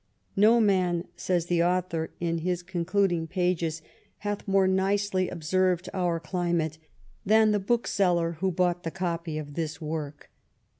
'^ No man,'' says the author in his concluding pages, 281 THE REIGN OP QUEEN ANNE U hath more nicely observed our climate than the book seller who bought the copy of this work.